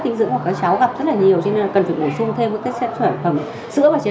tinh dưỡng của các cháu gặp rất là nhiều cho nên cần phải bổ sung thêm với các sản phẩm sữa và chế